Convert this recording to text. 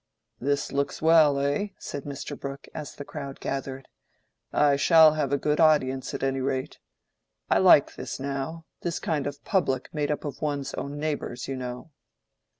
"This looks well, eh?" said Mr. Brooke as the crowd gathered. "I shall have a good audience, at any rate. I like this, now—this kind of public made up of one's own neighbors, you know."